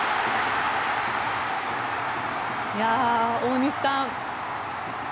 大西さん